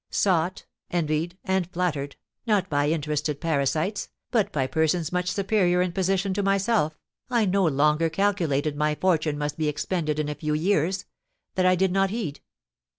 Sought, envied, and flattered, not by interested parasites, but by persons much superior in position to myself, I no longer calculated my fortune must be expended in a few years; that I did not heed.